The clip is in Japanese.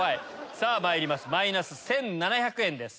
さぁまいりますマイナス１７００円です。